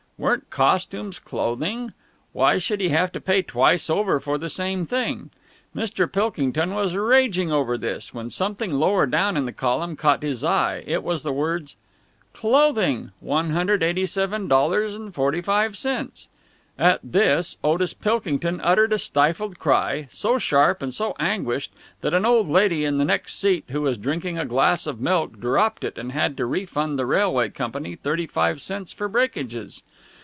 Weren't costumes clothing? Why should he have to pay twice over for the same thing? Mr. Pilkington was just raging over this, when something lower down in the column caught his eye. It was the words: Clothing .... 187.45 At this Otis Pilkington uttered a stifled cry, so sharp and so anguished that an old lady in the next seat, who was drinking a glass of milk, dropped it and had to refund the railway company thirty five cents for breakages.